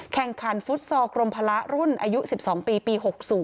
แข่งขันฟุตซอลกรมพละรุ่นอายุ๑๒ปีปี๖๐